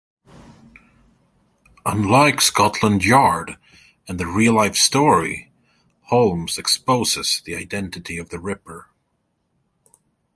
Unlike Scotland Yard, and the real-life story, Holmes exposes the identity of the Ripper.